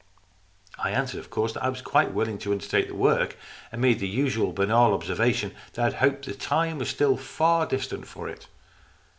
I answered, of course, that I was quite willing to undertake the work, and made the usual banal observation that I hoped the time was still far distant for it.